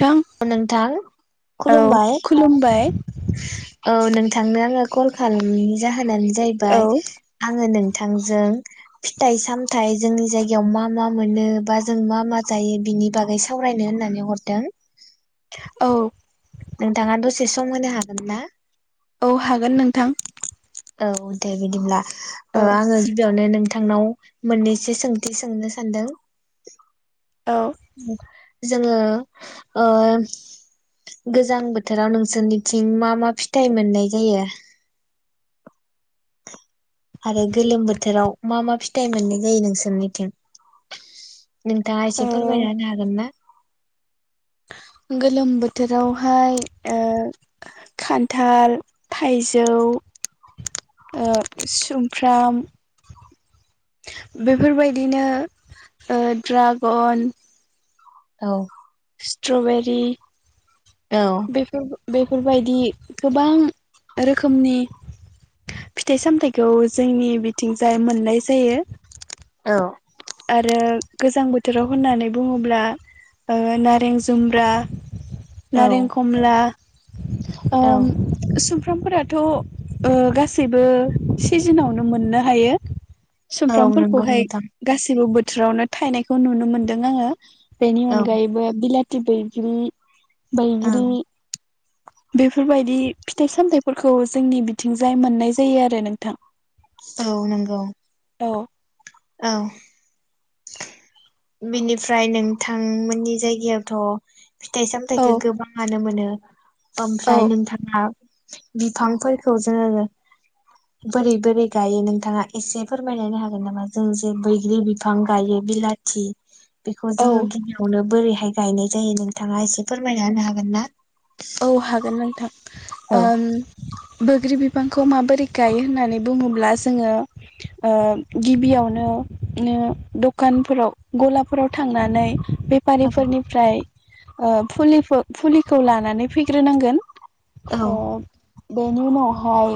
थां नोंथां औ खुलुमबाय खुलुमबाय औ नों थांनो आङो कल खालामनायनि जा जाहोनानो औ जाहैबाय आङो नों बिथांजों फिथाइ सामथायाइ जोंनि जायगायाव मा मा मोनो बा जों मा मा जायो बिनि बागै सावरायनो होननानै हरदों औ नोंथाङा दसे सम होनो हागोन ना? औ हागोन नोंथां। औ दे बिदिब्ला औ आङो गिबियावनो नों नोंथांनाव मोननैसो सोंथि सोंनो सानदों औ [inaudible] जोङो गोजां बोथोराव नोंसोरनिथिं मा मा फिथाइ मोननाय जायो? आरो गोलोम बोथोराव मा मा फिथाइ मोननाय जायो नोंसोरनिथिं? नोंथाङा ओ एसे फोरमायनो हागोन ना? गोलोम बोथोरावहाय ओ खान्थाल थाइजौ ओ सुमफ्राम बेफोरबायदिनो ओ द्रागन औ स्ट्र'बेरि औ बेफोर बो बेफोरबायदि गोबां रोखोमनि फिथाइ सामथायाइखौ जोंनि बिथिंजाय मोननाय जायो औ आरो गोजां बोथोराव होननानै बुङोब्ला नारें जुमब्रा नारें खमला औ ओम सुम फ्रामफोराथ' ओ गासैबो सिजोनावनो मोननो हायो औ नंगौ सुमफ्रामफोरखौहाय नोंथां [unintelligible] बोथोरावनो थायनायखौ नुनो मोनदों आङो बेनि औ अनगायैबो बिला थि बैग्रि औ बैग्रि बेफोरबायदि फिथाइ सामथायाइफोरखौ जोंनि बिथिंजाय मोननाय जायो आरो नोंथां औ नंगौ औ औ बेनिफ्राय नोंथांमोननि जायगायावथ' फिथाइ सामथायाइखौ औ गोबाङानो मोनो [inaudible] ओमफ्राय औ नोंथाङा बिफांफोरखौ जोङो बोरै बोरै गायो नोंथाङा एसे फोरमायलायनो हागोन नामा जों जे बैग्रि बिफां गायो बिलाथि जि बेखौ औ जोङो गिबियावनो बोरै गायनाय जायो नोंथाङा एसे फोरमायना होनो हागोन ना औ हागोन नोंथां औ ओम बैग्रि बिफांखौ माबोरै गायो होननानै बुङोब्ला जोङो ओ गिबियावनो दखानफोराव गलाफोराव थांनानै बेफारिफोरनिफ्राय फुलि फुलिखौ लानानै फैग्रोनांगोन औ अ बेनि उनावहाय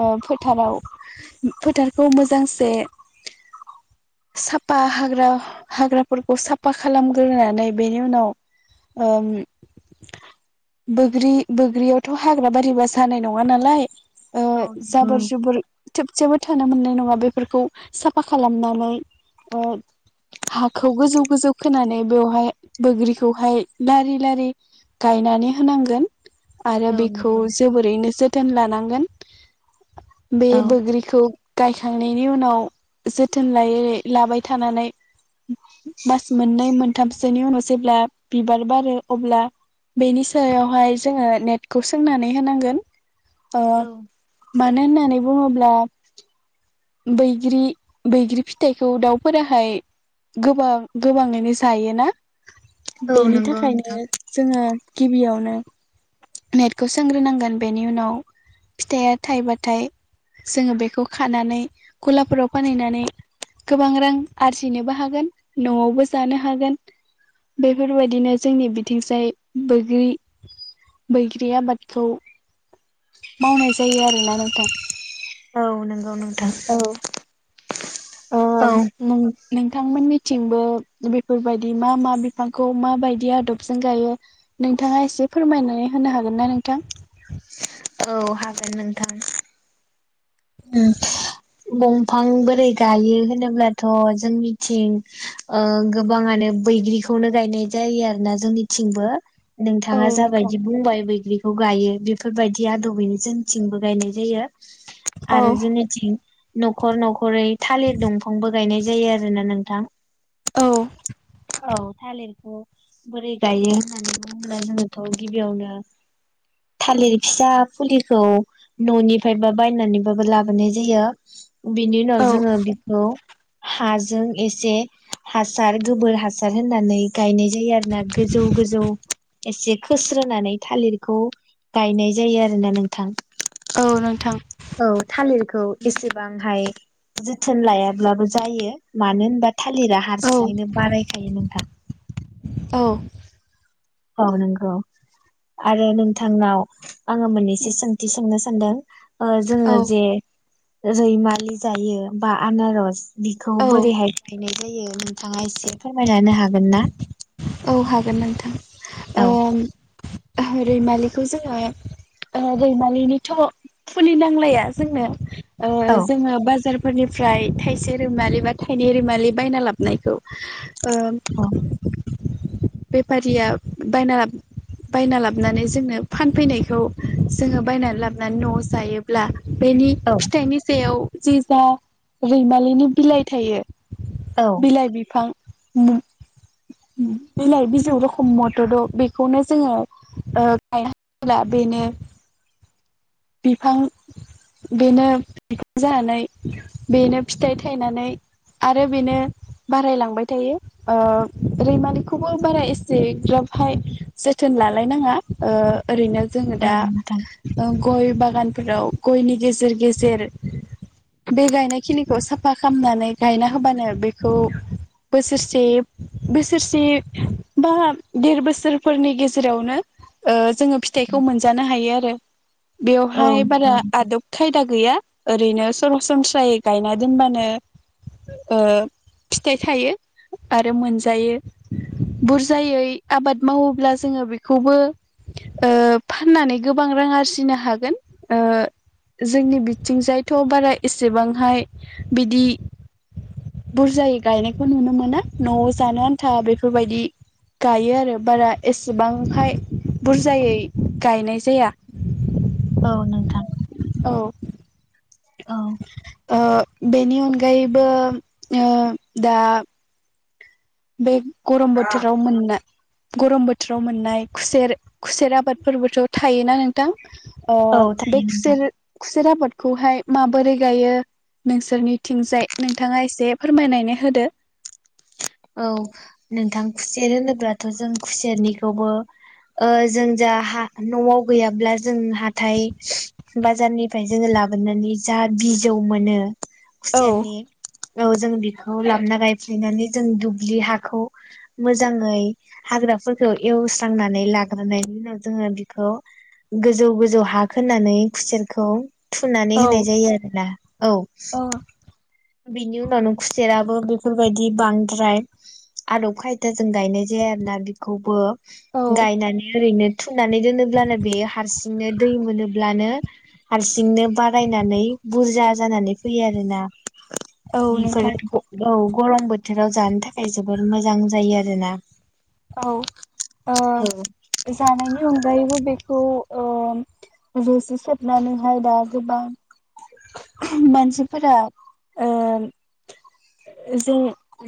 ओ फोथाराव फोथारखौ मोजांसे साफा हाग्रा हाग्राफोरखौ साफा खालामग्रोनानै बेनि उनाव ओम बैग्रि बैग्रियावथ' हाग्रा बारिबा जानाय नङा नालाय ओ औ जाबोर नंगौ जुबोर थोबसेबो थानो मोननाय नङा बेफोरखौ साफा खालामनानै हाखौ गोजौ गोजौ खोनानै बेवहाय बैग्रिखौहाय लारि लारि गायनानै होनांगोन आरो औ बेखौ नंगौ जोबोरै नो थोन लानांगोन बे औ बैग्रिखौ गायखांनायनि उनाव जोथोन लायै लाबाय थानानै मास मोननै मोन थामसोनि उनाव जेब्ला बिबार बारो अब्ला बेनि सायावहाय जोङो नेटखौ सोंनानै होनांगोन अ मानो होननानै बुङोब्ला बैग्रि बैग्रि फिथाइखौ दाउफोराहाय गोबां गोबाङैनो जायोना? औ बेनि नंगौ थाखायनो नोंथां जोङो गिबियावनो नेटखौ सोंग्रोनांगोन बेनि उनाव फिथाइया थाइबाथाय जोङो बेखौ खानानै गलाफोराव फानहैनानै गोबां रां आरजिनोबो हागोन न'आवबो जानो हागोन बेफोरबायदिनो जोंनि बिथिंजाय बैग्रि बैग्रि आबादखौ मावनाय जायो आरोना नोंथां। औ नंगौ नों दा [unintelligible] औ ओ नों [unintelligible] नोंथांमोननिथिंबो बेफोरबायदि मा मा बिफांखौ माबायदि आदबजों गायो नोंथाङा एसे फोरमायनानै होनो हागोन ना नोंथां? औ हागोन नोंथां दंफां बोरै गायो होनोब्लाथ' जोंनिथिं ओ गोबाङानो बैग्रिखौनो गायनाय जायो आरोना जोंनिथिंबो औ नोंथाङा नोंथां जाबायदि बुंबाय बैग्रि खौ गायो बेफोरबायदि आदबयैनो जोंनिथिंबो गायनाय जायो। औ आरो जोंनिथिं न'खर न'खरै थालिर दंफांबो गायनाय जा यो आरोना नोंथां औ थालिरखौ बोरै गायो होननानै बुङोब्ला गिबियावनो थालिर फिसा फुलिखौ न'निफ्राय बा बायनानै ब्लाबो लाबोनाय जायो । बिनि उनाव औ जोङो बिखौ हाजों एसे हासार गोबोर हासार होनानै गायनाय जायो आरो ना गोजौ गोजौ एसे खोस्रोनानै थालिरखौ गायनाय जायो आरोना नोंथां। औ नोंथां। औ थालिरखौ एसेबांहाय जोथोन लायाब्लाबो जायो मानो होनबा थालिरा औ हारसिङैनो बारायखायो नोंथां औ । औ नंगौ आरो नोंथांनाव आङो मोननैसे सोंथि सोंनो सान दों ओ औ जोङो जे रैमालि जायो बा आनार'स बिखौ औ बोरैहाय गायनाय जायो नोंथाङा एसे फोरमायना हागोन ना? औ हागोन नोंथां । औ रैमालिखौ जोङो ओ रैमालिनिथ' फुलि नांलाया जोंनो ओ औ जोङो बाजार फोरनिफ्राय थाइसे रैमालि बा थाइनै रैमालि बायना लाबनायखौ औ ओ बेफारिया बायना बायना लाबोनानै जोंनो फानफैनायखौ जोङो बायनानै लाबोनानै न'आव जायोब्ला बेनि औ फिथाइनि सायाव जे जा रैमालिनि बिलाइ थायो औ बिलाइ बिफां उम उम बिलाइ बिजौ रखम मदद द' बेखौनो जोङो ओ गाय होब्ला बेनो बिफां बेनो बिफां जानानै बेनो फिथाइ थायनानै आरो बेनो बारायलांबाय थायो ओ रैमानिखौबो बारा एसे ग्राबहाय जोथोन लालायनाङा ओ ओरैनो जोङो औ दा नोंथां ओ गय बागानफोराव गयनि गेजेर गेजेर बे गायनायखिनिखौ साफा खालामनानै गायना होबानो बेखौ बोसोरसे बोसोरसे बा देर बोसोरफोरनि गेजेरावनो ओ जोङो फिथाइखौ मोनजानो हायो आरो। औ बेवहाय बारा आदब खायदा गैया। ओरैनो सरासनस्रायै गायना दोनबानो ओ फिथाइ थायो आरो मोनजायो। बुरजायै आबाद मावोब्ला जोङो बेखौबो ओ फाननानै ओ गोबां रां आरजिनो हागोन ओ जोंनि बिथिंजायथ' बारा एसेबांहाय बिदि बुरजायै गायनायखौ नुनो मोना न'आव जानो आन्था बेफोरबायदि गायो आरो बारा एसेबांहाय बुरजायै गायनाय जाया। औ नोंथां। औ। औ ओ बेनि अनगायैबो ओ दा बे गरम बोथोराव मोनना गरम बोथोराव मोननाय खुसेर खुसेर आबादफोरबोथ' थायोना नोंथां। अ औ बे थायो नोंथां खुसेर खु सेर आबादखौहाय माबोरै गायो नोंसोरनिथिंजाय नोंथाङा एसे फोरमायनानै होदो। औ नोंथां खुसेर होनोब्लाथ' जों खुसेरनिखौबो ओ जों जा हा न'आव गैयाब्ला जों हाथाय बाजारनिफ्राय जोङो लाबोनानै जा बिजौ मोनो औ खुसेरनि औ जों बि औ लाबना गायफैनानै जों दुब्लि हाखौ मोजाङै हाग्राफोरखौ एवस्रांनानै लाग्रोनायनि उनाव जोङो बिखौ गोजौ गोजौ हा खोनानै खुसेरखौ थुनानै औ होनाय जायो आरोना औ। औ बिनि उनावनो खुसेराबो बेफोरबायदि बांद्राय आदब खायदा जों गायनाय जाया आरोना बेखौबो औ गायनानै ओरैनो फुनानै दोनोब्लानो बेयो हारसिंनो दै मोनोब्लानो हारसिंनो बारायनानै बुरजा जानानै फैयो आरोना। औ बिफोर नोंथां ओ औ। गरम बोथोराव जानो थाखाय जोबोद मोजां जायो आरोना। औ ओ औ जानायनि अनगायैबो बेखौ ओ रुजुसबनानैहाय दा गोबां मानसिफोरा ओ जों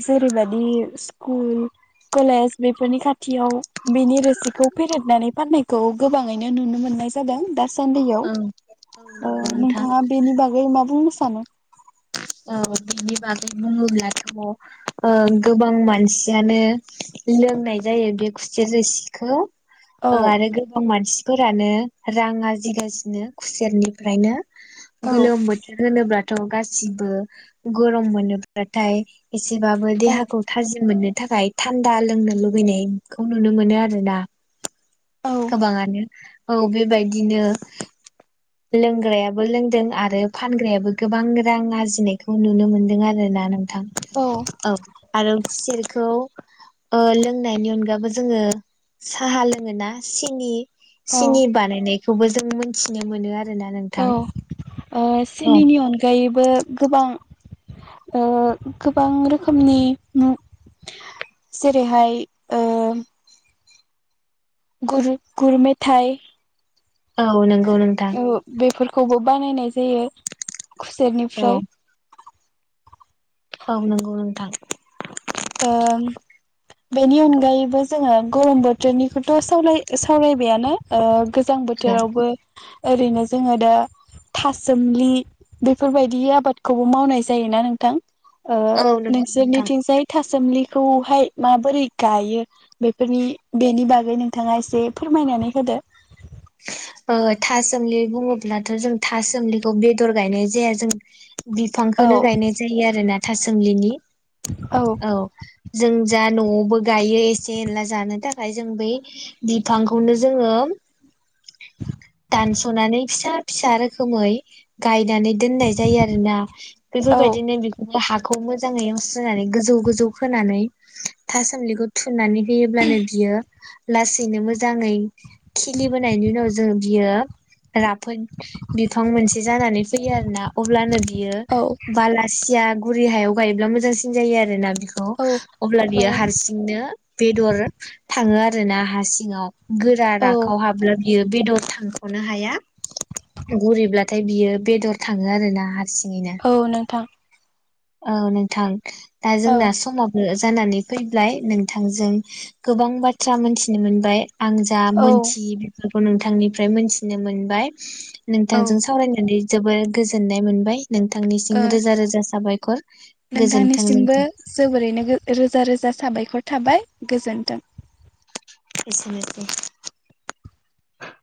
जेरैबायदि स्कुल, कलेज बेफोरनि खाथियाव बेनि रोसिखौ फेरेदनानै फाननायखौ गोबाङैनो नुनो मोननाय जादों। दा सान्दैयाव। ओं औ नंगौ ओ नोंथां नोंथाङा बेनि बागै मा बुंनो सानो? औ बिनि बागै बुङोब्लाथ' ओ गोबां मानसियानो लोंनाय जायो बे खुसेर रोसिखौ। औ ओ आरो गोबां मानसि फोरानो रां आरजिगासिनो खुसेरनिफ्रायनो। औ गोलाम बोथोर होनोब्ला थ' गा सिबो गरम मोनोब्लाथाय एसेबाबो औ देहाखौ थाजिम मोननो थाखाय थान्दा लोंनो लुबैनायखौ नुनो मोनो आरो ना गोबाङानो औ बेबायदिनो लोंग्रायाबो लोंदों आरो फानग्रायाबो गोबां रां आरजिनायखौ नुनो मोनदों आरोना नों थां औ आरो जेर खौ ओ लोंनायनि अनगाबो जोङो साहा लोङोना सिनि औ सिनि बानायनाय खौबो जों मिथिनो मोनो आर औ ओ औ सिनिनि अनगायैबो गोबां ओ गोबां रोखोमनि नु जेरैहाय ओ गुर गुर मेथाइ औ नों औ बेफोरखौबो बानायनाय जायो औ खुसेरनिफ्राय औ नंगौ नोंथां ओम बेनि अनगायैबो जोङो गरम बोथोरनिखौथ' सावलाय सावरायबायानो ओ गोजां बोथोरावबो ओरैनो जोङो दा थासोमलि बेफोरबायदि आबादखौबो मावनाय जायोना नोंथां ओ औ नंगौ नोंथां। नोंसोरनिथिंजाय सोम्लिखौहाय माबोरै गायो बेफोरनि बेनि बागै नोंथाङा एसे फोरमायनानै होदो ओ था सोमलि बुङोब्लाथ' जों थास अमलिखौ बेदर गायनाय जाया जों औ बिफांखौनो गायनाय जायो आरो ना थासोमलिनि औ जों जा न'आवबो गायो एसे एनला जानो थाखाय जों बै बिफांखौनो जोङो। दानस'नानै फिसा फिसा रोखोमै गाय नानै दोन्नाय जायो आरोना औ बेफोरबायदिनो बेफोरनि हा खौ मोजाङै सुनानै गोजौ गोजौ खोनानै थासोमलिखौ थुनानै होयोब्लानो बियो लासैनो मोजाङै। खिलिबोनायनि उनाव जों। बियो राफोद बिफां मोनसे जानानै फैयो आरोना अब्लानो। बियो औ बालासिया। गुरै हायाव गायोब्ला मोजांसिन जायो आरोना बि खौ औ अब्ला बियो हारसिंनो बेदर थाङो आ रोना हा सिङाव। गोरा औ राखाव हाब्लोम। बेयो बेदर। सानख'नो हाया गुरैब्लाथाय बियो बेदर थाङो आरो ना हा औ नोंथां। ओ नोंथां। दा औ जोंना समाबो। जानानै फैबाय नोंथांजों गोबां बाथ्रा मोनथिनो मोनबाय। आं जा औ मोनथि बेफोर। नोंथांनिफ्राय मोनथिनो मोनबाय। औ नोंथांजों ओ सावरायनानै। जोबोर गोजोन्नाय मोनबाय। नोंथांनिसिं रोजा रोजा साबाय। [unintelligible] नोंथांनिसिमबो जोबोरैनो रोजा रोजा साबाय। खर थाबाय गोजोन्थों। एसेनोनोसै।